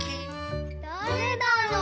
だれだろう？